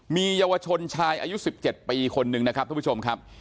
มีเยาวชนชายอายุ๑๗ปีคนนึงนะครับทุกผู้ชมครับ